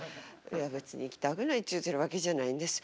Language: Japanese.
いや別に行きたくないっちゅうてるわけじゃないんです。